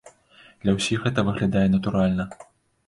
Для ўсіх гэта выглядае натуральна.